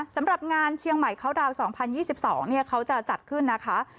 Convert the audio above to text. สำหรับงานเชียงใหม่เขาดาวน์๒๐๒๒เขาจะจัดขึ้นนะคะ